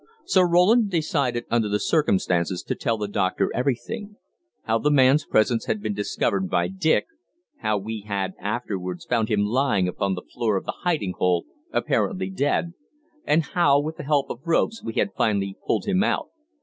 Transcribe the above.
Sir Roland decided under the circumstances to tell the doctor everything: how the man's presence had been discovered by Dick, how we had afterwards found him lying upon the floor of the hiding hole, apparently dead, and how, with the help of ropes, we had finally pulled him out.